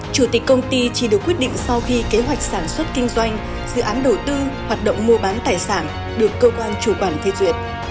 chủ tịch công ty chỉ được quyết định sau khi kế hoạch sản xuất kinh doanh dự án đầu tư hoạt động mua bán tài sản được cơ quan chủ quản phê duyệt